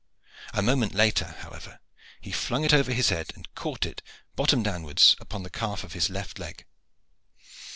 A moment later, however, he flung it over his head, and caught it bottom downwards upon the calf of his left leg.